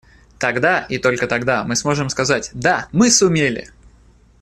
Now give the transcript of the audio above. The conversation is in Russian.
Тогда, и только тогда, мы сможем сказать «Да, мы сумели!».